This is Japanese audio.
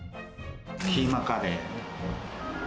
キーマカレー。